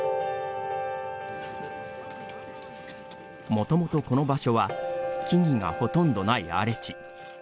もともとこの場所は木々がほとんどない荒れ地。